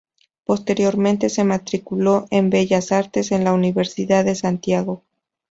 Posteriormente, se matriculó en Bellas Artes en la Universidad de Santiago.